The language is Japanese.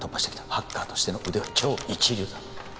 ハッカーとしての腕は超一流だ